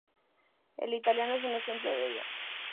El italiano es un ejemplo de ello.